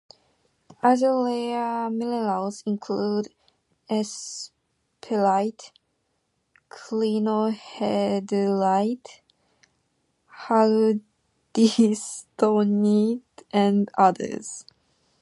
Other rare minerals include esperite, clinohedrite, hardystonite, and others.